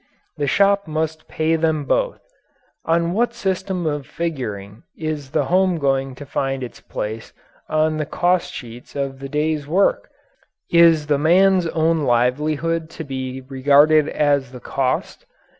The shop must pay them both. On what system of figuring is the home going to find its place on the cost sheets of the day's work? Is the man's own livelihood to be regarded as the "cost"?